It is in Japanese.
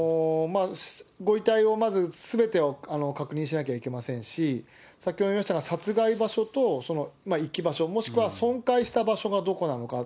ご遺体をまず、すべてを確認しなきゃいけませんし、先ほども言いましたが、殺害場所と遺棄場所、もしくは損壊した場所がどこなのか。